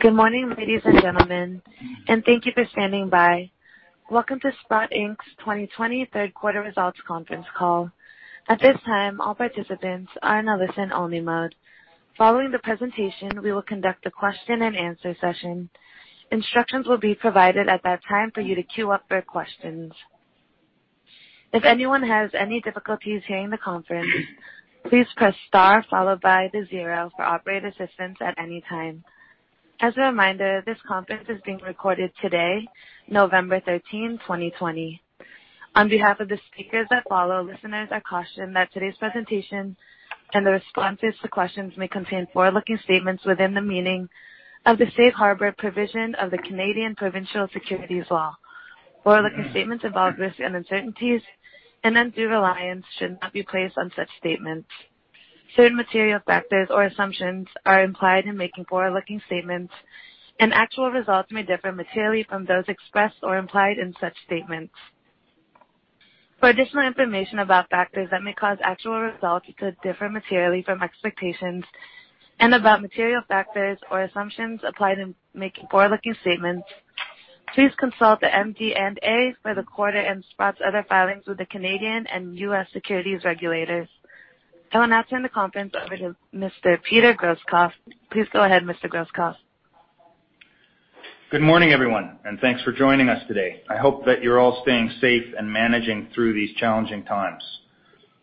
Good morning, ladies and gentlemen, and thank you for standing by. Welcome to Sprott Inc.'s 2020 Third Quarter Results Conference Call. At this time, all participants are in a listen-only mode. Following the presentation, we will conduct a question-and-answer session. Instructions will be provided at that time for you to queue up your questions. If anyone has any difficulties hearing the conference, please press star followed by the zero for operator assistance at any time. As a reminder, this conference is being recorded today, November 13, 2020. On behalf of the speakers that follow, listeners are cautioned that today's presentation and the responses to questions may contain forward-looking statements within the meaning of the safe harbor provision of the Canadian provincial securities law. Forward-looking statements involve risks and uncertainties, and undue reliance should not be placed on such statements. Certain material factors or assumptions are implied in making forward-looking statements, and actual results may differ materially from those expressed or implied in such statements. For additional information about factors that may cause actual results to differ materially from expectations and about material factors or assumptions applied in making forward-looking statements, please consult the MD&A for the quarter and Sprott's other filings with the Canadian and U.S. securities regulators. I will now turn the conference over to Mr. Peter Grosskopf. Please go ahead, Mr. Grosskopf. Good morning, everyone, and thanks for joining us today. I hope that you're all staying safe and managing through these challenging times.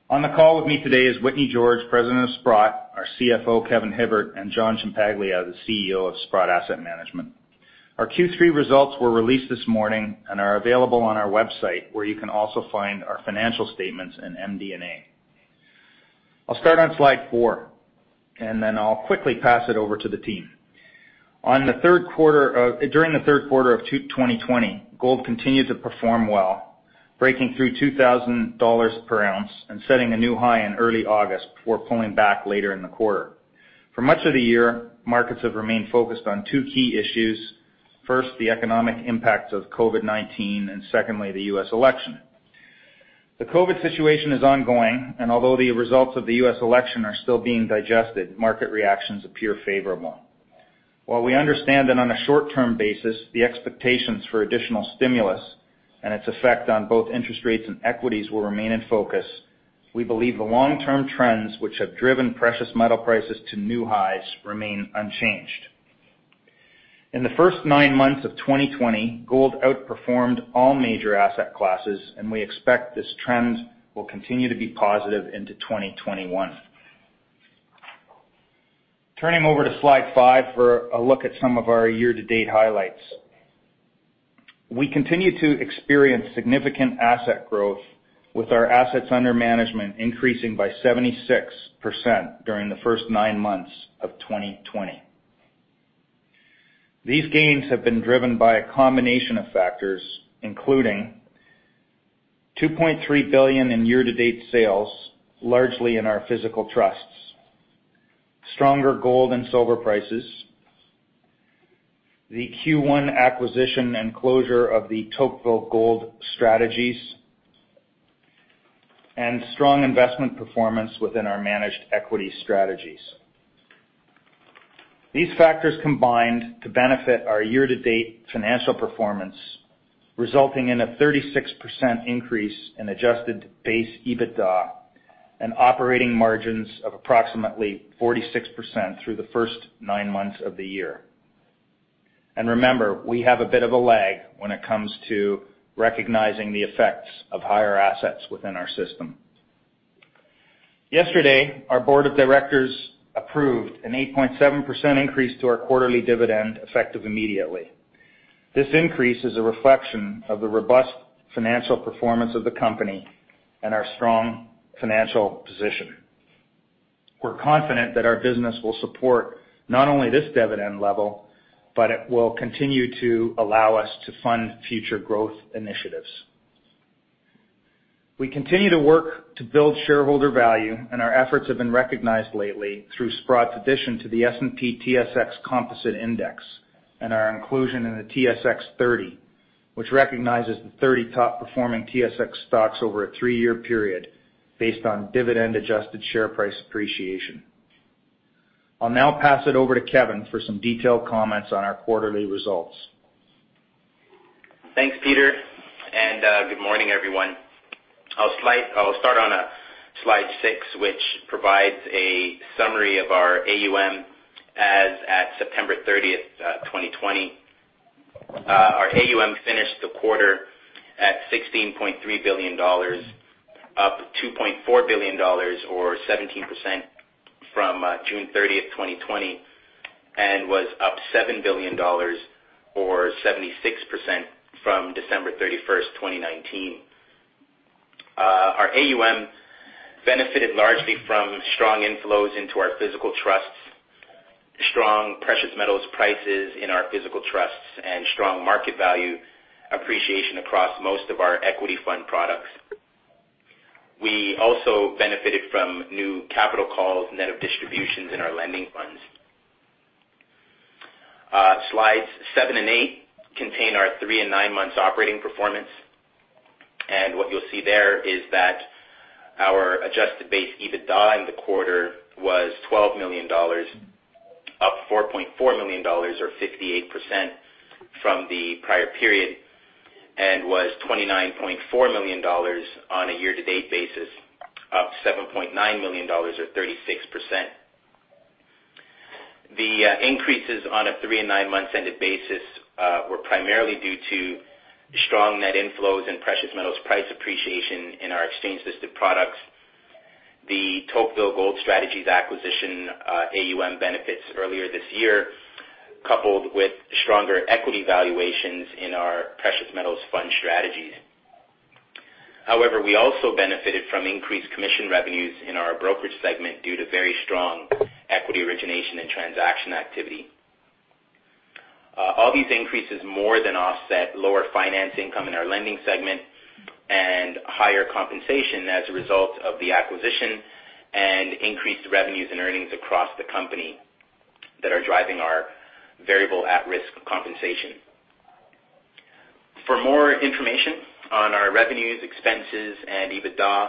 On the call with me today is Whitney George, President of Sprott, our CFO, Kevin Hibbert, and John Ciampaglia, the CEO of Sprott Asset Management. Our Q3 results were released this morning and are available on our website, where you can also find our financial statements and MD&A. I'll start on slide four, and then I'll quickly pass it over to the team. During the third quarter of 2020, gold continued to perform well, breaking through $2,000 per ounce and setting a new high in early August before pulling back later in the quarter. For much of the year, markets have remained focused on two key issues. First, the economic impacts of COVID-19, and secondly, the U.S. election. The COVID situation is ongoing. Although the results of the U.S. election are still being digested, market reactions appear favorable. While we understand that on a short-term basis, the expectations for additional stimulus and its effect on both interest rates and equities will remain in focus, we believe the long-term trends, which have driven precious metal prices to new highs, remain unchanged. In the first nine months of 2020, gold outperformed all major asset classes. We expect this trend will continue to be positive into 2021. Turning over to slide five for a look at some of our year-to-date highlights. We continue to experience significant asset growth with our assets under management increasing by 76% during the first nine months of 2020. These gains have been driven by a combination of factors, including $2.3 billion in year-to-date sales, largely in our physical trusts, stronger gold and silver prices, the Q1 acquisition and closure of the Tocqueville Gold strategies, and strong investment performance within our managed equity strategies. These factors combined to benefit our year-to-date financial performance, resulting in a 36% increase in adjusted base EBITDA and operating margins of approximately 46% through the first nine months of the year. Remember, we have a bit of a lag when it comes to recognizing the effects of higher assets within our system. Yesterday, our board of directors approved an 8.7% increase to our quarterly dividend, effective immediately. This increase is a reflection of the robust financial performance of the company and our strong financial position. We're confident that our business will support not only this dividend level, but it will continue to allow us to fund future growth initiatives. We continue to work to build shareholder value, and our efforts have been recognized lately through Sprott's addition to the S&P/TSX Composite Index and our inclusion in the TSX 30, which recognizes the 30 top-performing TSX stocks over a three-year period based on dividend-adjusted share price appreciation. I'll now pass it over to Kevin for some detailed comments on our quarterly results. Thanks, Peter. Good morning, everyone. I'll start on slide six, which provides a summary of our AUM as at September 30th, 2020. Our AUM finished the quarter at $16.3 billion, up $2.4 billion or 17% from June 30th, 2020, and was up $7 billion or 76% from December 31st, 2019. Our AUM benefited largely from strong inflows into our physical trusts, strong precious metals prices in our physical trusts, and strong market value appreciation across most of our equity fund products. We also benefited from new capital call net of distributions in our lending funds. Slides seven and eight contain our three and nine months operating performance. What you'll see there is that our adjusted base EBITDA in the quarter was $12 million, up $4.4 million or 58% from the prior period, and was $29.4 million on a year-to-date basis, up $7.9 million or 36%. The increases on a three and nine months ended basis were primarily due to strong net inflows and precious metals price appreciation in our exchange-listed products. The Tocqueville Gold strategies acquisition AUM benefits earlier this year, coupled with stronger equity valuations in our precious metals fund strategies. However, we also benefited from increased commission revenues in our brokerage segment due to very strong equity origination and transaction activity. All these increases more than offset lower finance income in our lending segment and higher compensation as a result of the acquisition and increased revenues and earnings across the company that are driving our variable at-risk compensation. For more information on our revenues, expenses, and EBITDA,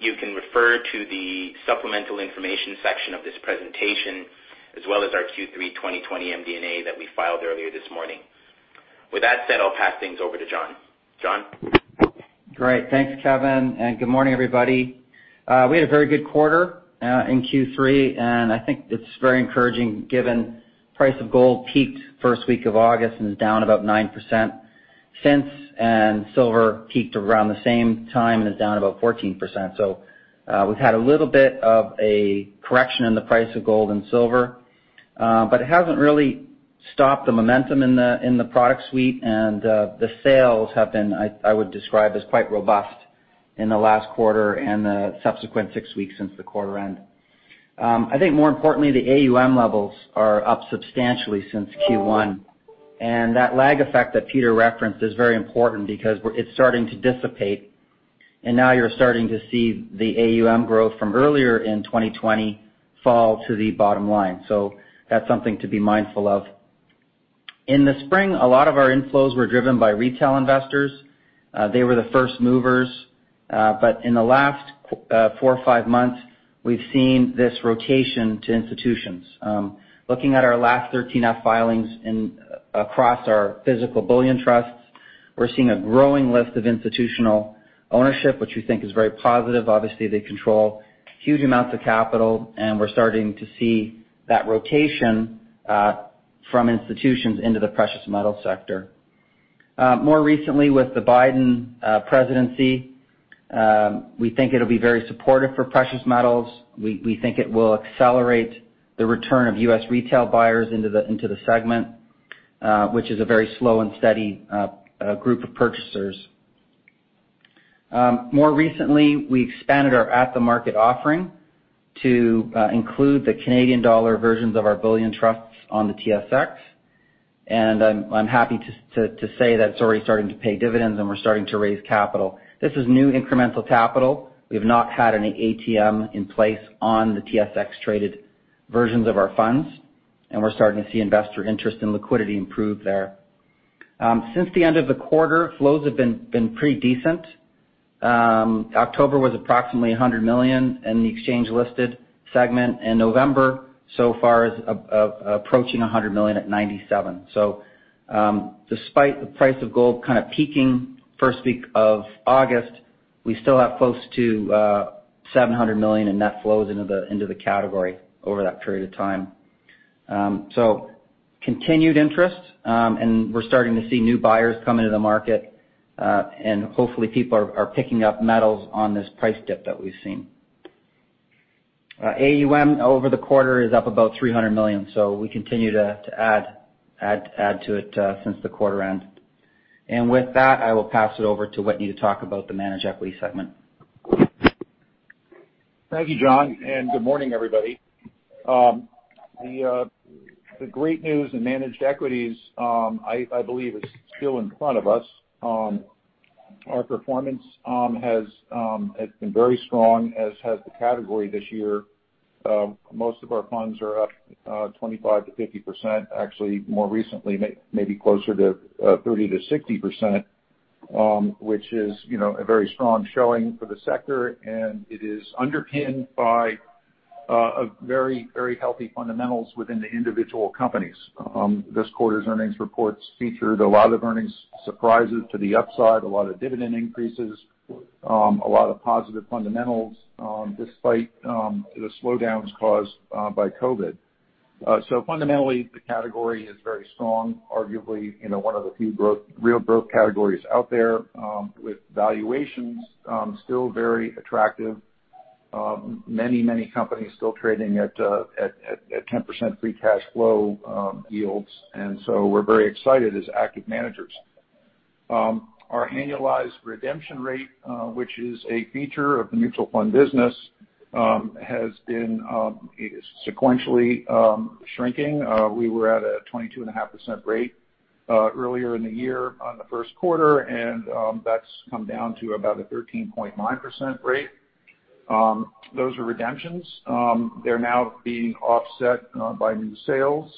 you can refer to the supplemental information section of this presentation, as well as our Q3 2020 MD&A that we filed earlier this morning. With that said, I'll pass things over to John. John? Great. Thanks, Kevin. Good morning, everybody. We had a very good quarter in Q3. I think it's very encouraging given price of gold peaked first week of August and is down about 9% since. Silver peaked around the same time and is down about 14%. We've had a little bit of a correction in the price of gold and silver. It hasn't really stopped the momentum in the product suite, and the sales have been, I would describe, as quite robust in the last quarter and the subsequent six weeks since the quarter end. I think more importantly, the AUM levels are up substantially since Q1. That lag effect that Peter referenced is very important because it's starting to dissipate. Now you're starting to see the AUM growth from earlier in 2020 fall to the bottom line. That's something to be mindful of. In the spring, a lot of our inflows were driven by retail investors. They were the first movers. In the last four or five months, we've seen this rotation to institutions. Looking at our last 13F filings across our physical bullion trusts, we're seeing a growing list of institutional ownership, which we think is very positive. Obviously, they control huge amounts of capital, and we're starting to see that rotation from institutions into the precious metal sector. More recently with the Biden presidency, we think it'll be very supportive for precious metals. We think it will accelerate the return of U.S. retail buyers into the segment, which is a very slow and steady group of purchasers. More recently, we expanded our At-The-Market offering to include the Canadian dollar versions of our bullion trusts on the TSX. I'm happy to say that it's already starting to pay dividends, and we're starting to raise capital. This is new incremental capital. We have not had any ATM in place on the TSX-traded versions of our funds, and we're starting to see investor interest and liquidity improve there. Since the end of the quarter, flows have been pretty decent. October was approximately $100 million in the exchange-listed segment, and November so far is approaching $100 million at $97 million. Despite the price of gold kind of peaking first week of August, we still have close to $700 million in net flows into the category over that period of time. Continued interest, and we're starting to see new buyers come into the market, and hopefully people are picking up metals on this price dip that we've seen. AUM over the quarter is up about $300 million. We continue to add to it since the quarter end. With that, I will pass it over to Whitney to talk about the managed equity segment. Thank you, John, and good morning, everybody. The great news in managed equities, I believe, is still in front of us. Our performance has been very strong, as has the category this year. Most of our funds are up 25%-50%, actually more recently, maybe closer to 30%-60%, which is a very strong showing for the sector, and it is underpinned by very healthy fundamentals within the individual companies. This quarter's earnings reports featured a lot of earnings surprises to the upside, a lot of dividend increases, a lot of positive fundamentals, despite the slowdowns caused by COVID. Fundamentally, the category is very strong, arguably one of the few real growth categories out there, with valuations still very attractive. Many companies still trading at 10% free cash flow yields. We're very excited as active managers. Our annualized redemption rate, which is a feature of the mutual fund business, has been sequentially shrinking. We were at a 22.5% rate earlier in the year on the first quarter, and that's come down to about a 13.5% rate. Those are redemptions. They're now being offset by new sales,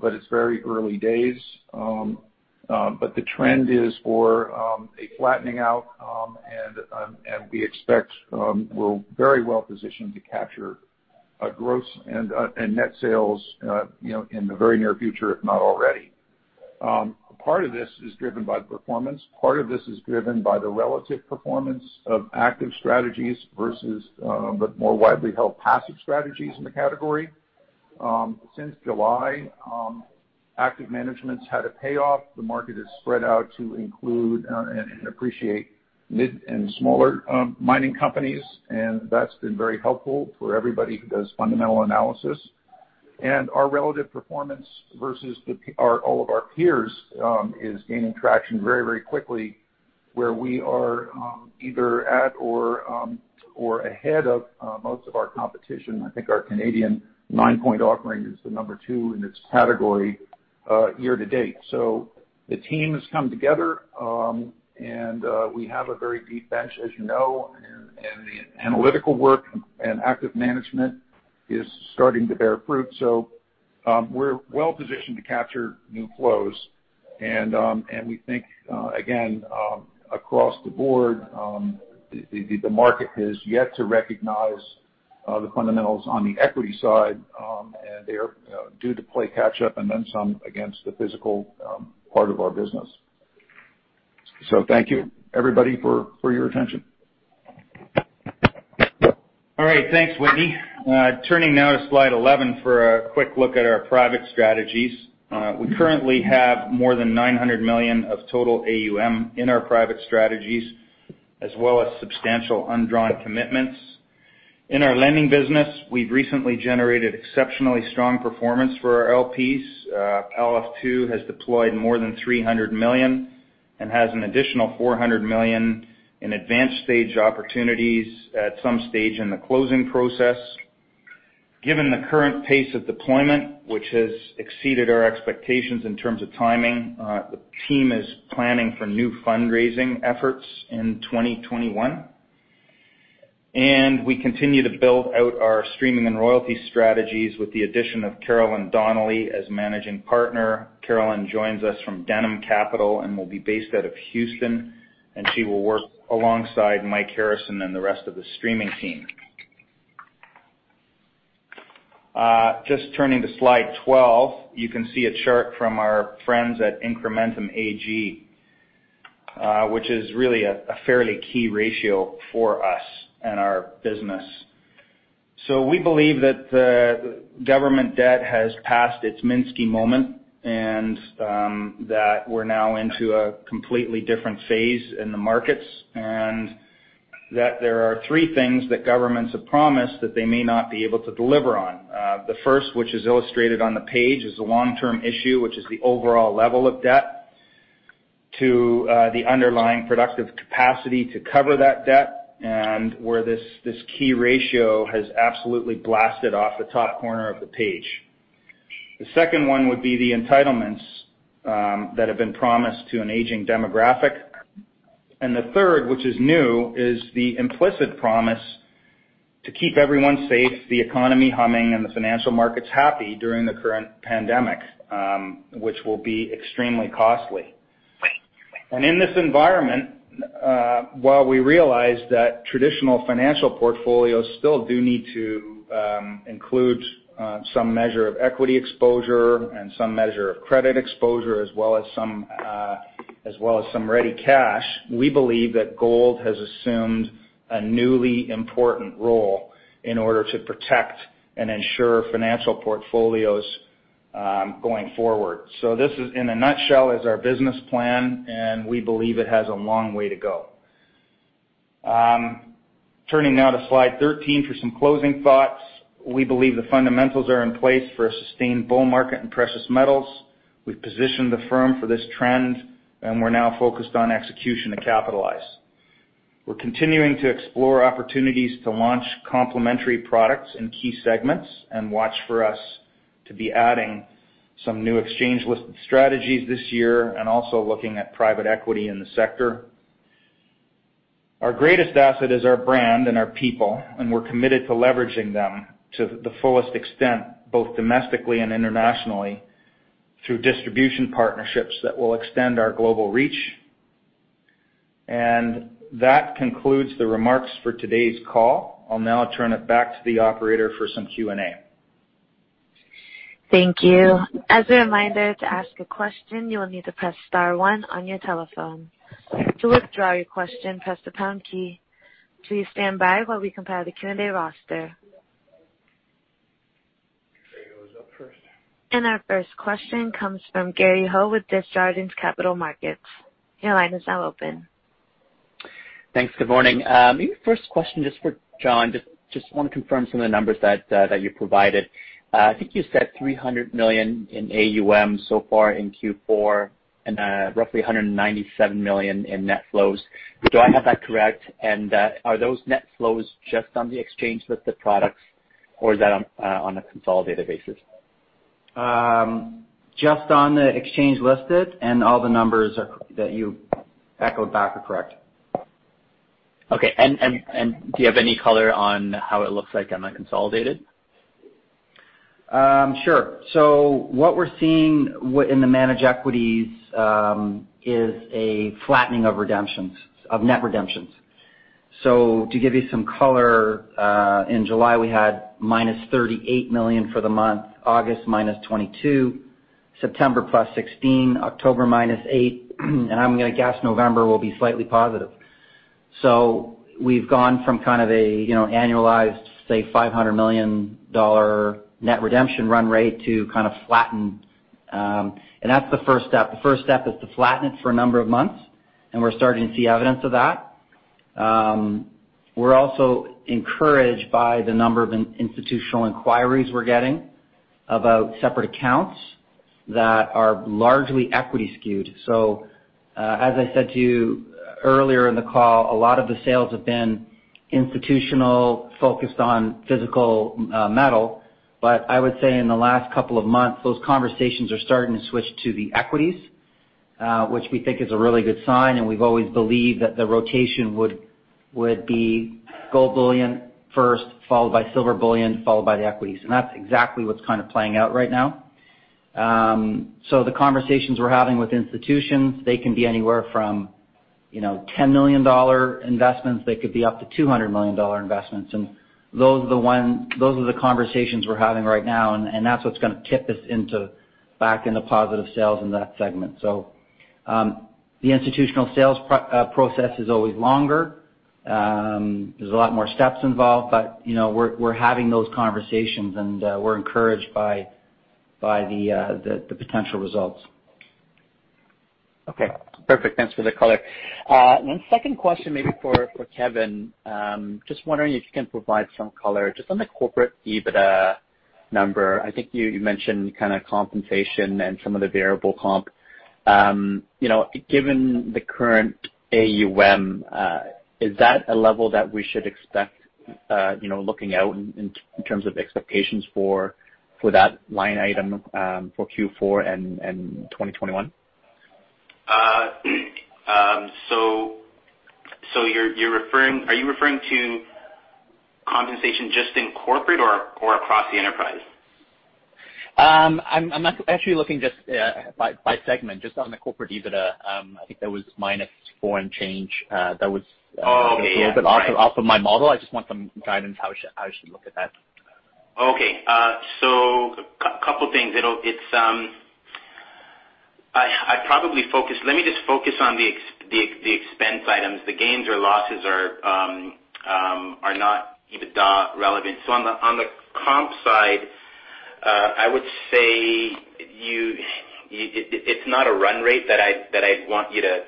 but it's very early days. The trend is for a flattening out, and we expect we're very well positioned to capture a gross and net sales in the very near future, if not already. Part of this is driven by performance. Part of this is driven by the relative performance of active strategies versus the more widely held passive strategies in the category. Since July, active management's had a payoff. The market has spread out to include and appreciate mid and smaller mining companies, and that's been very helpful for everybody who does fundamental analysis. Our relative performance versus all of our peers is gaining traction very quickly, where we are either at or ahead of most of our competition. I think our Canadian Ninepoint offering is the number two in its category year to date. The team has come together, and we have a very deep bench, as you know, and the analytical work and active management is starting to bear fruit. We're well positioned to capture new flows. We think, again, across the board, the market has yet to recognize the fundamentals on the equity side, and they are due to play catch up and then some against the physical part of our business. Thank you, everybody, for your attention. All right. Thanks, Whitney. Turning now to slide 11 for a quick look at our private strategies. We currently have more than $900 million of total AUM in our private strategies, as well as substantial undrawn commitments. In our lending business, we've recently generated exceptionally strong performance for our LPs. LF II has deployed more than $300 million and has an additional $400 million in advanced stage opportunities at some stage in the closing process. Given the current pace of deployment, which has exceeded our expectations in terms of timing, the team is planning for new fundraising efforts in 2021. We continue to build out our streaming and royalty strategies with the addition of Caroline Donally as Managing Partner. Caroline joins us from Denham Capital and will be based out of Houston, and she will work alongside Mike Harrison and the rest of the streaming team. Turning to slide 12, you can see a chart from our friends at Incrementum AG, which is really a fairly key ratio for us and our business. We believe that the government debt has passed its Minsky moment, and that we're now into a completely different phase in the markets, and that there are three things that governments have promised that they may not be able to deliver on. The first, which is illustrated on the page, is a long-term issue, which is the overall level of debt to the underlying productive capacity to cover that debt, and where this key ratio has absolutely blasted off the top corner of the page. The second one would be the entitlements that have been promised to an aging demographic. The third, which is new, is the implicit promise to keep everyone safe, the economy humming, and the financial markets happy during the current pandemic, which will be extremely costly. In this environment, while we realize that traditional financial portfolios still do need to include some measure of equity exposure and some measure of credit exposure, as well as some ready cash, we believe that gold has assumed a newly important role in order to protect and ensure financial portfolios going forward. This, in a nutshell, is our business plan, and we believe it has a long way to go. Turning now to slide 13 for some closing thoughts. We believe the fundamentals are in place for a sustained bull market in precious metals. We've positioned the firm for this trend, and we're now focused on execution to capitalize. We're continuing to explore opportunities to launch complementary products in key segments and watch for us to be adding some new exchange-listed strategies this year and also looking at private equity in the sector. Our greatest asset is our brand and our people, and we're committed to leveraging them to the fullest extent, both domestically and internationally, through distribution partnerships that will extend our global reach. That concludes the remarks for today's call. I'll now turn it back to the operator for some Q&A. Thank you. As a reminder, to ask a question, you will need to press star one on your telephone. To withdraw your question, press the pound key. Please stand by while we compile the Q&A roster. Our first question comes from Gary Ho with Desjardins Capital Markets. Your line is now open. Thanks. Good morning. First question just for John, just want to confirm some of the numbers that you provided. I think you said $300 million in AUM so far in Q4 and roughly $197 million in net flows. Do I have that correct? Are those net flows just on the exchange-listed products or is that on a consolidated basis? Just on the exchange listed, all the numbers that you echoed back are correct. Okay. Do you have any color on how it looks like on the consolidated? Sure. What we're seeing in the managed equities is a flattening of net redemptions. To give you some color, in July we had -$38 million for the month, August -$22 million, September +$16 million, October -$8 million, and I'm going to guess November will be slightly positive. We've gone from an annualized, say, $500 million net redemption run rate to kind of flattened. That's the first step. The first step is to flatten it for a number of months, and we're starting to see evidence of that. We're also encouraged by the number of institutional inquiries we're getting about separate accounts that are largely equity skewed. As I said to you earlier in the call, a lot of the sales have been institutional, focused on physical metal. I would say in the last couple of months, those conversations are starting to switch to the equities, which we think is a really good sign, and we've always believed that the rotation would be gold bullion first, followed by silver bullion, followed by the equities. That's exactly what's playing out right now. The conversations we're having with institutions, they can be anywhere from $10 million investments, they could be up to $200 million investments. Those are the conversations we're having right now, and that's what's going to tip us back into positive sales in that segment. The institutional sales process is always longer. There's a lot more steps involved, but we're having those conversations and we're encouraged by the potential results. Okay, perfect. Thanks for the color. Second question, maybe for Kevin. Just wondering if you can provide some color just on the corporate EBITDA number. I think you mentioned compensation and some of the variable comp. Given the current AUM, is that a level that we should expect looking out in terms of expectations for that line item for Q4 and 2021? Are you referring to compensation just in corporate or across the enterprise? I'm actually looking just by segment, just on the corporate EBITDA. I think that was -4 and change. Oh, yeah. Right. That was a little bit off of my model. I just want some guidance how I should look at that. A couple things. Let me just focus on the expense items. The gains or losses are not EBITDA relevant. On the comp side, I would say it's not a run rate that I'd want you to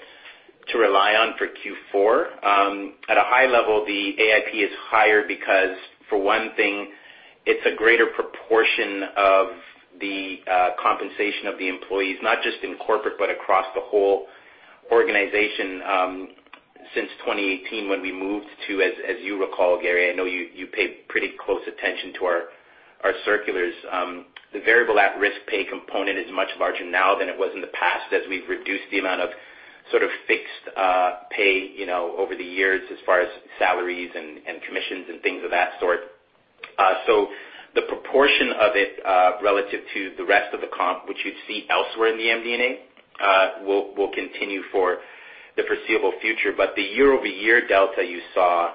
rely on for Q4. At a high level, the AIP is higher because, for one thing, it's a greater proportion of the compensation of the employees, not just in corporate, but across the whole organization. Since 2018, when we moved to, as you recall, Gary, I know you pay pretty close attention to our circulars. The variable at-risk pay component is much larger now than it was in the past, as we've reduced the amount of sort of fixed pay over the years as far as salaries and commissions and things of that sort. The proportion of it relative to the rest of the comp, which you'd see elsewhere in the MD&A, will continue for the foreseeable future. The year-over-year delta you saw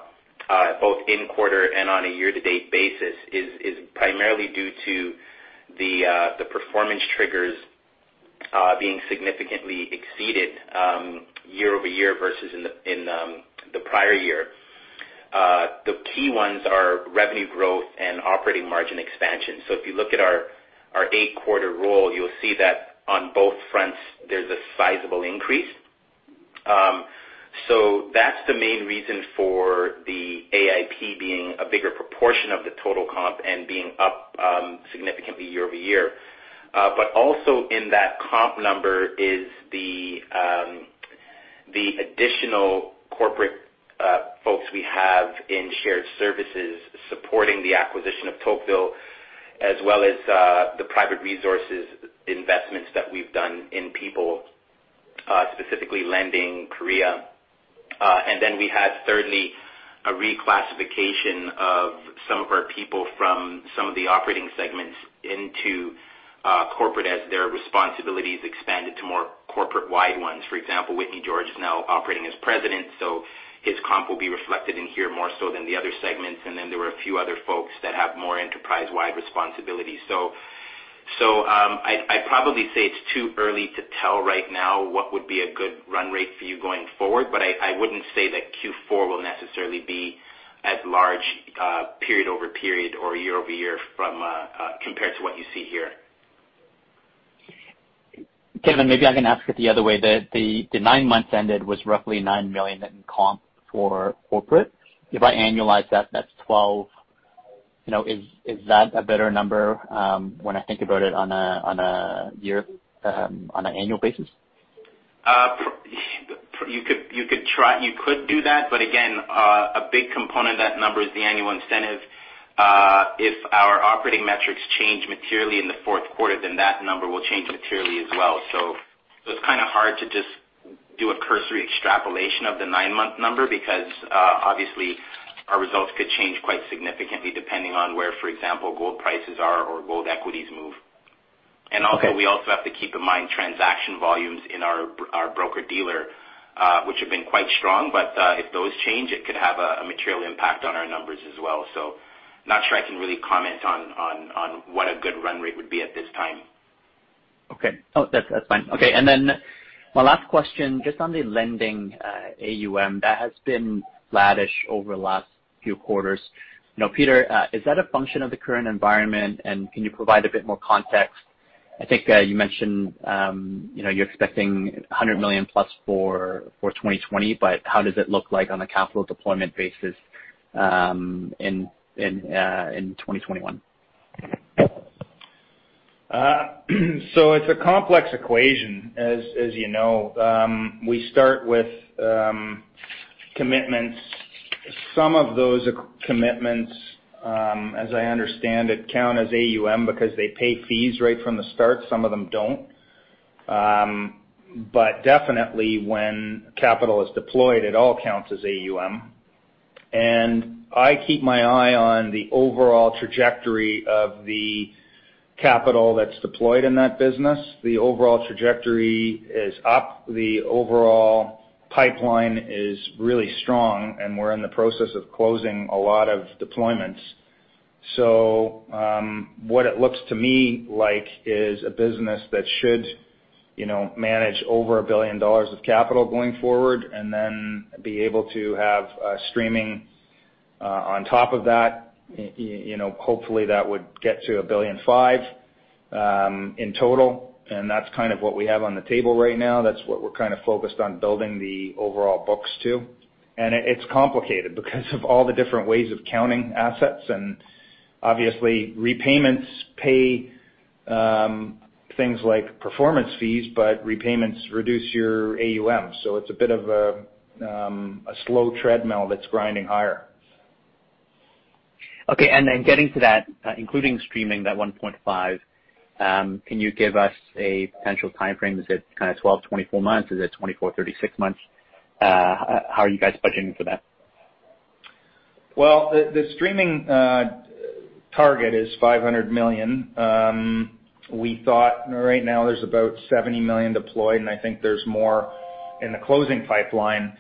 both in quarter and on a year-to-date basis is primarily due to the performance triggers being significantly exceeded year over year versus in the prior year. The key ones are revenue growth and operating margin expansion. If you look at our eight-quarter roll, you'll see that on both fronts, there's a sizable increase. That's the main reason for the AIP being a bigger proportion of the total comp and being up significantly year over year. Also in that comp number is the additional corporate folks we have in shared services supporting the acquisition of Tocqueville, as well as the private resources investments that we've done in people, specifically Lending Corp. Then we had, thirdly, a reclassification of some of our people from some of the operating segments into corporate as their responsibilities expanded to more corporate-wide ones. For example, Whitney George is now operating as President, so his comp will be reflected in here more so than the other segments. Then there were a few other folks that have more enterprise-wide responsibilities. I'd probably say it's too early to tell right now what would be a good run rate for you going forward, but I wouldn't say that Q4 will necessarily be as large period-over-period or year-over-year compared to what you see here. Kevin, maybe I can ask it the other way. The nine months ended was roughly $9 million in comp for corporate. If I annualize that's 12. Is that a better number when I think about it on an annual basis? You could do that. Again, a big component of that number is the annual incentive. If our operating metrics change materially in the fourth quarter, then that number will change materially as well. It's kind of hard to just do a cursory extrapolation of the nine-month number because obviously our results could change quite significantly depending on where, for example, gold prices are or gold equities move. Okay. Also, we also have to keep in mind transaction volumes in our broker-dealer, which have been quite strong, but, if those change, it could have a material impact on our numbers as well. Not sure I can really comment on what a good run rate would be at this time. Okay. No, that's fine. Okay. My last question, just on the lending AUM that has been flattish over the last few quarters. Peter, is that a function of the current environment, and can you provide a bit more context? I think you mentioned you're expecting $100+ million for 2020, but how does it look like on a capital deployment basis in 2021? It's a complex equation, as you know. We start with commitments. Some of those commitments, as I understand it, count as AUM because they pay fees right from the start. Some of them don't. Definitely when capital is deployed, it all counts as AUM. I keep my eye on the overall trajectory of the capital that's deployed in that business. The overall trajectory is up, the overall pipeline is really strong, and we're in the process of closing a lot of deployments. What it looks to me like is a business that should manage over $1 billion of capital going forward and then be able to have streaming, on top of that. Hopefully, that would get to $1.5 billion in total. That's kind of what we have on the table right now. That's what we're kind of focused on building the overall books to. It's complicated because of all the different ways of counting assets and obviously repayments pay things like performance fees, but repayments reduce your AUM. It's a bit of a slow treadmill that's grinding higher. Okay, then getting to that, including streaming that $1.5 billion, can you give us a potential timeframe? Is it kind of 12-24 months? Is it 24-36 months? How are you guys budgeting for that? The streaming target is $500 million. We thought right now there's about $70 million deployed, and I think there's more in the closing pipeline.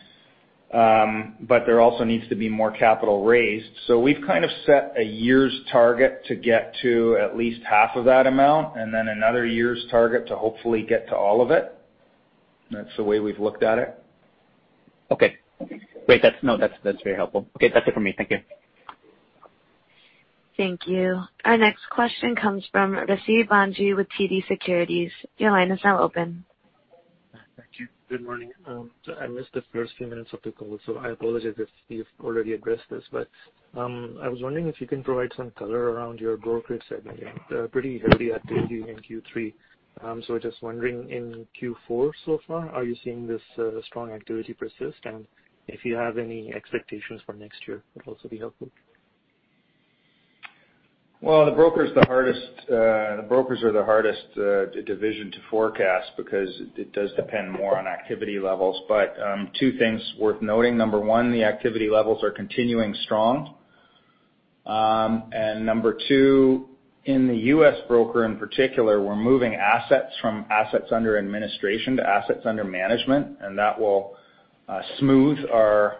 There also needs to be more capital raised. We've kind of set a year's target to get to at least 1/2 of that amount, and then another year's target to hopefully get to all of it. That's the way we've looked at it. Okay. Great. That's very helpful. Okay. That's it for me. Thank you. Thank you. Our next question comes from Rasib Bhanji with TD Securities. Your line is now open. Thank you. Good morning. I missed the first few minutes of the call, so I apologize if you've already addressed this, I was wondering if you can provide some color around your brokerage segment. You had a pretty heavy activity in Q3. Just wondering in Q4 so far, are you seeing this, strong activity persist? If you have any expectations for next year, would also be helpful. Well, the brokers are the hardest division to forecast because it does depend more on activity levels. Two things worth noting. Number one, the activity levels are continuing strong. Number two, in the U.S. broker in particular, we're moving assets from assets under administration to assets under management. That will smooth our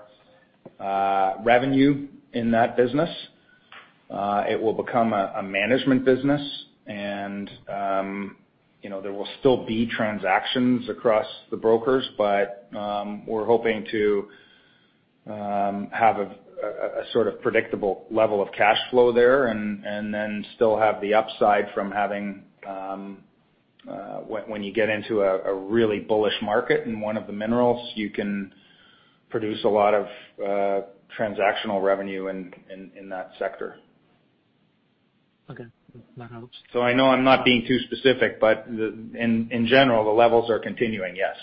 revenue in that business. It will become a management business. There will still be transactions across the brokers. We're hoping to have a sort of predictable level of cash flow there and then still have the upside from having When you get into a really bullish market in one of the minerals, you can produce a lot of transactional revenue in that sector. Okay. That helps. I know I'm not being too specific, but in general, the levels are continuing, yes.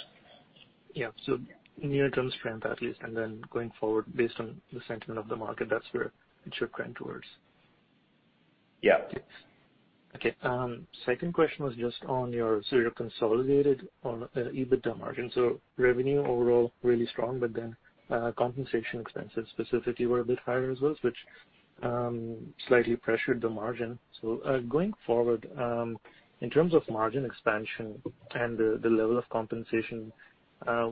Near-term strength at least, and then going forward based on the sentiment of the market, that's where it should trend towards. Yeah. Okay. Second question was just on your sort of consolidated on EBITDA margin. Revenue overall really strong, compensation expenses specifically were a bit higher as well, which slightly pressured the margin. Going forward, in terms of margin expansion and the level of compensation,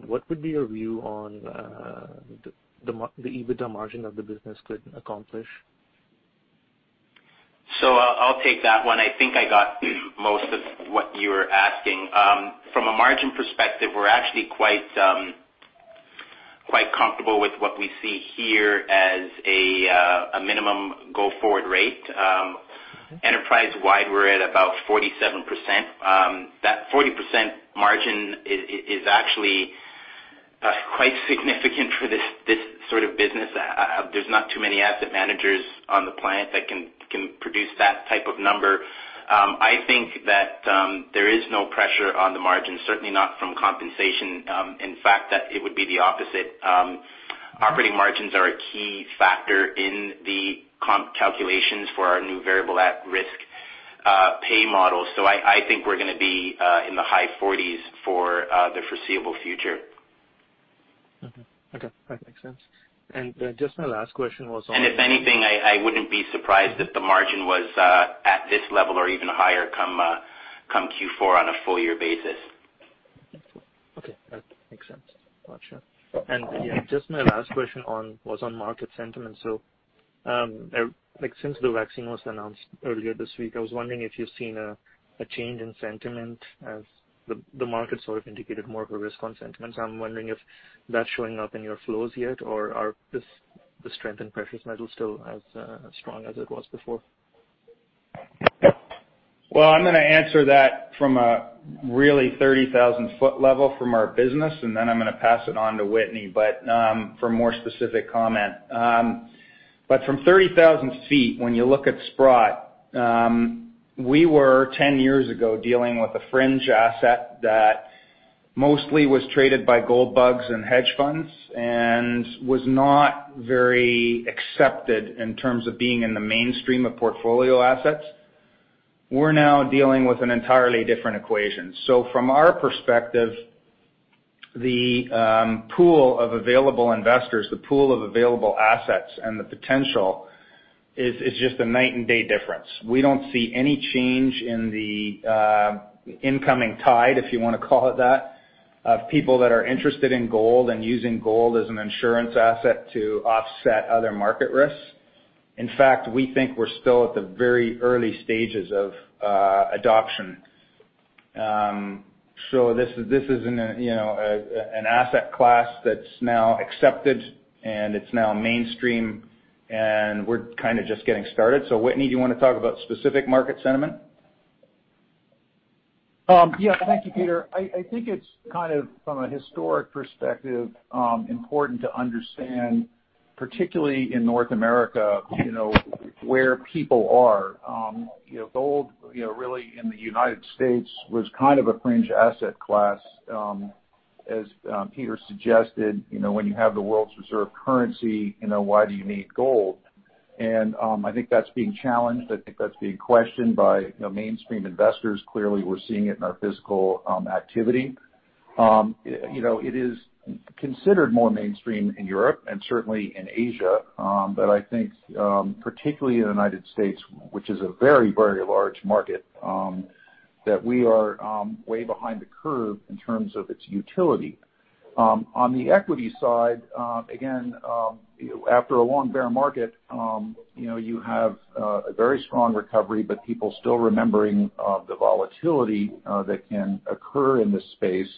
what would be your view on the EBITDA margin that the business could accomplish? I'll take that one. I think I got most of what you were asking. From a margin perspective, we're actually quite comfortable with what we see here as a minimum go-forward rate. Enterprise wide, we're at about 47%. That 40% margin is actually. That's quite significant for this sort of business. There's not too many asset managers on the planet that can produce that type of number. I think that there is no pressure on the margin, certainly not from compensation. In fact, it would be the opposite. Operating margins are a key factor in the comp calculations for our new variable at-risk pay models. I think we're going to be in the high 40s for the foreseeable future. Okay. That makes sense. Just my last question was on... If anything, I wouldn't be surprised if the margin was at this level or even higher come Q4 on a full year basis. Okay. That makes sense. Got you. Just my last question was on market sentiment. Since the vaccine was announced earlier this week, I was wondering if you've seen a change in sentiment as the market sort of indicated more of a risk on sentiment. I'm wondering if that's showing up in your flows yet, or is the strength in precious metals still as strong as it was before? I'm going to answer that from a really 30,000 ft level from our business, and then I'm going to pass it on to Whitney for more specific comment. From 30,000 ft, when you look at Sprott, we were, 10 years ago, dealing with a fringe asset that mostly was traded by gold bugs and hedge funds and was not very accepted in terms of being in the mainstream of portfolio assets. We're now dealing with an entirely different equation. From our perspective, the pool of available investors, the pool of available assets, and the potential is just a night and day difference. We don't see any change in the incoming tide, if you want to call it that, of people that are interested in gold and using gold as an insurance asset to offset other market risks. In fact, we think we're still at the very early stages of adoption. This is an asset class that's now accepted, and it's now mainstream, and we're kind of just getting started. Whitney, do you want to talk about specific market sentiment? Yes. Thank you, Peter. I think it's kind of, from a historic perspective, important to understand, particularly in North America, where people are. Gold, really, in the United States, was kind of a fringe asset class. As Peter suggested, when you have the world's reserve currency, why do you need gold? I think that's being challenged. I think that's being questioned by mainstream investors. Clearly, we're seeing it in our physical activity. It is considered more mainstream in Europe and certainly in Asia. I think, particularly in the United States, which is a very, very large market, that we are way behind the curve in terms of its utility. On the equity side, again, after a long bear market, you have a very strong recovery, but people still remembering the volatility that can occur in this space.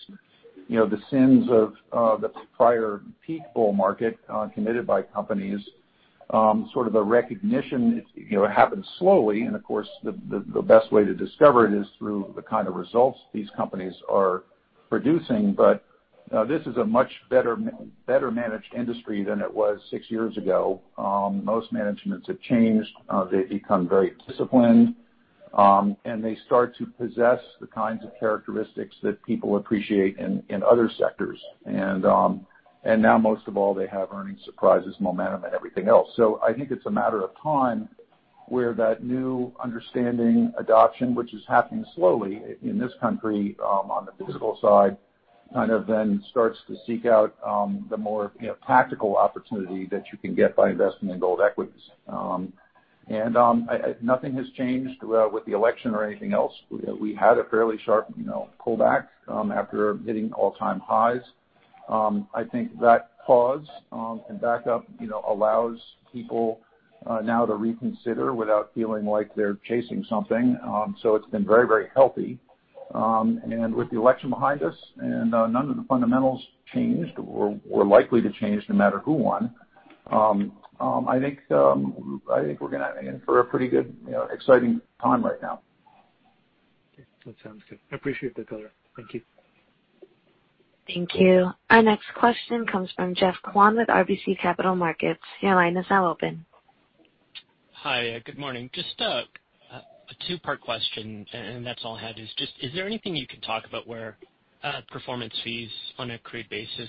The sins of the prior peak bull market committed by companies, sort of a recognition, it happens slowly, and of course, the best way to discover it is through the kind of results these companies are producing. This is a much better managed industry than it was six years ago. Most managements have changed. They've become very disciplined, and they start to possess the kinds of characteristics that people appreciate in other sectors. Now, most of all, they have earnings surprises, momentum, and everything else. I think it's a matter of time where that new understanding adoption, which is happening slowly in this country on the physical side, kind of then starts to seek out the more tactical opportunity that you can get by investing in gold equities. Nothing has changed with the election or anything else. We had a fairly sharp pullback after hitting all-time highs. I think that pause and back up allows people now to reconsider without feeling like they're chasing something. It's been very, very healthy. With the election behind us and none of the fundamentals changed or were likely to change no matter who won, I think we're going to be in for a pretty good, exciting time right now. Okay. That sounds good. I appreciate the color. Thank you. Thank you. Our next question comes from Jeff Kwan with RBC Capital Markets. Your line is now open. Hi. Good morning. Just a two-part question, and that's all I had, is just, is there anything you could talk about where performance fees on an accrual basis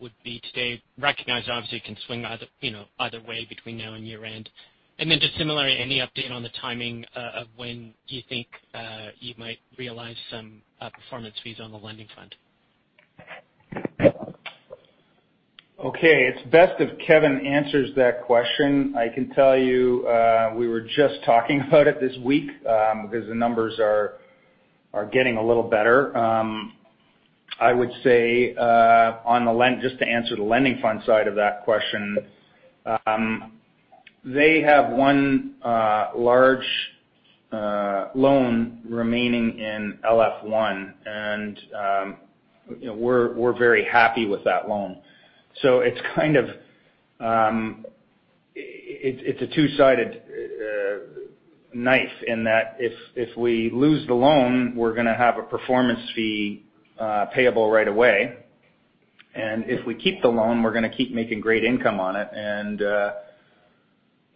would be today? Recognize, obviously, it can swing either way between now and year-end. Just similarly, any update on the timing of when you think you might realize some performance fees on the Lending Fund? Okay, it's best if Kevin answers that question. I can tell you, we were just talking about it this week because the numbers are getting a little better. I would say, just to answer the lending fund side of that question, they have one large loan remaining in LF1, and we're very happy with that loan. It's a two-sided knife in that if we lose the loan, we're going to have a performance fee payable right away. If we keep the loan, we're going to keep making great income on it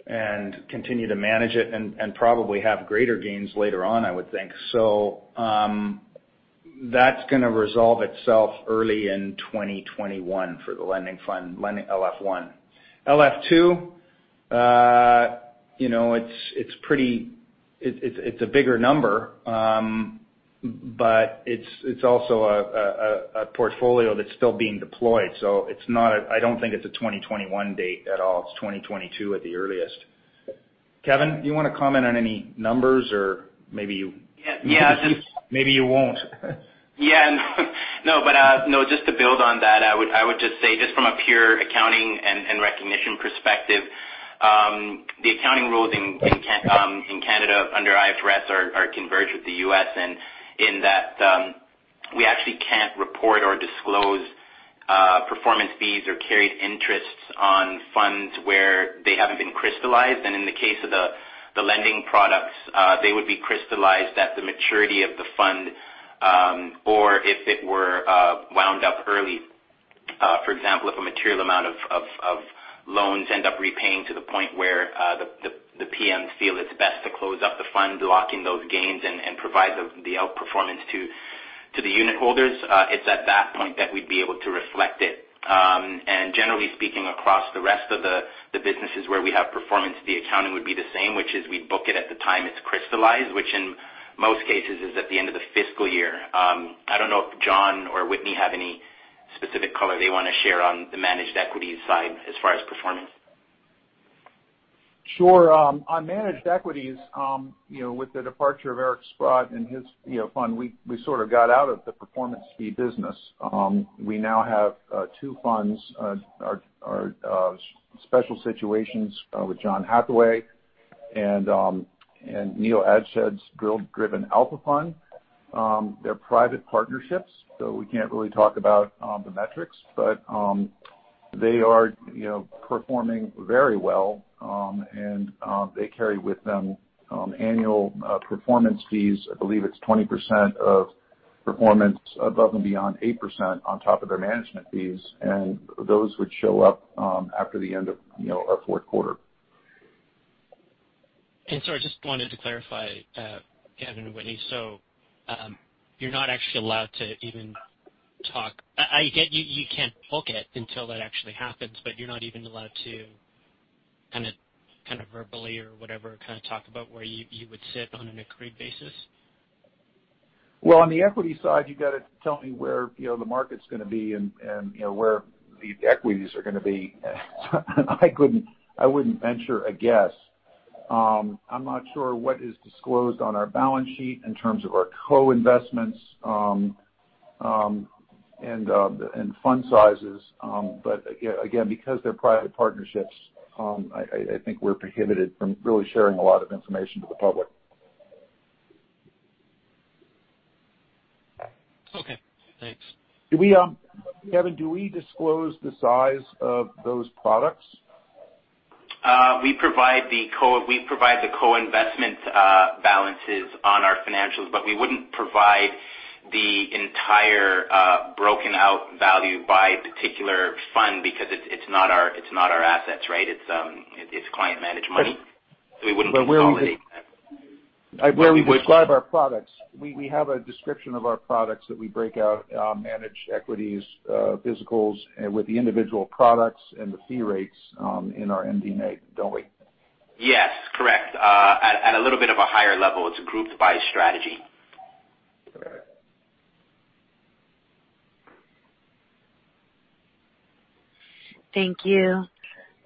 and continue to manage it and probably have greater gains later on, I would think. That's going to resolve itself early in 2021 for the lending fund, LF one. LF two it's a bigger number, but it's also a portfolio that's still being deployed. I don't think it's a 2021 date at all. It's 2022 at the earliest. Kevin, do you want to comment on any numbers? Yeah. Maybe you won't. --Yeah. No, just to build on that, I would just say just from a pure accounting and recognition perspective, the accounting rules in Canada under IFRS are converged with the U.S. in that we actually can't report or disclose performance fees or carried interests on funds where they haven't been crystallized. In the case of the lending products, they would be crystallized at the maturity of the fund, or if it were wound up early. For example, if a material amount of loans end up repaying to the point where the PMs feel it's best to close up the fund, locking those gains and provide the outperformance to the unitholders, it's at that point that we'd be able to reflect it. Generally speaking, across the rest of the businesses where we have performance fee accounting would be the same, which is we book it at the time it's crystallized, which in most cases is at the end of the fiscal year. I don't know if John or Whitney have any specific color they want to share on the managed equities side as far as performance. Sure. On managed equities, with the departure of Eric Sprott and his fund, we sort of got out of the performance fee business. We now have two funds, our special situations, with John Hathaway and Neil Adshead's Sprott Resource Alpha. They're private partnerships, so we can't really talk about the metrics. They are performing very well. They carry with them annual performance fees. I believe it's 20% of performance above and beyond 8% on top of their management fees. Those would show up after the end of our fourth quarter. Sorry, just wanted to clarify, Kevin and Whitney. You're not actually allowed to even I get you can't book it until that actually happens, but you're not even allowed to kind of verbally or whatever, kind of talk about where you would sit on an agreed basis? Well, on the equity side, you got to tell me where the market's going to be and where the equities are going to be. I wouldn't venture a guess. I'm not sure what is disclosed on our balance sheet in terms of our co-investments and fund sizes. Again, because they're private partnerships, I think we're prohibited from really sharing a lot of information to the public. Okay, thanks. Kevin, do we disclose the size of those products? We provide the co-investment balances on our financials, we wouldn't provide the entire broken-out value by particular fund because it's not our assets, right? It's client-managed money. We wouldn't disclose it. When we describe our products, we have a description of our products that we break out, managed equities, physicals, and with the individual products and the fee rates in our MD&A, don't we? Yes, correct. At a little bit of a higher level. It's grouped by strategy. Thank you.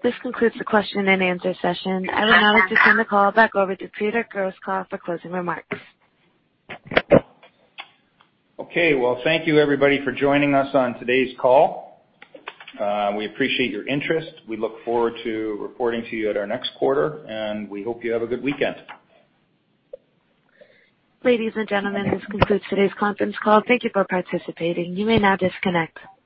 This concludes the question-and-answer session. I would now like to turn the call back over to Peter Grosskopf for closing remarks. Okay. Well, thank you everybody for joining us on today's call. We appreciate your interest. We look forward to reporting to you at our next quarter, and we hope you have a good weekend. Ladies and gentlemen, this concludes today's conference call. Thank you for participating. You may now disconnect.